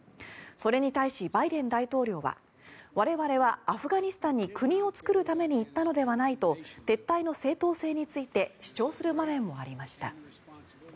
それに対し、バイデン大統領は我々はアフガニスタンに国を作るために行ったのではないと撤退の正当性について主張する場面もありました。